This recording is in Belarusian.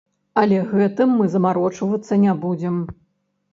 Але гэтым мы замарочвацца не будзем.